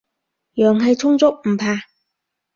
陽氣充足，唔怕